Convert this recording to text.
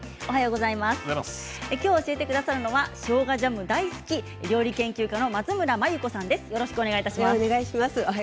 今日、教えてくださるのはしょうがジャム大好き料理研究家の松村眞由子さんです。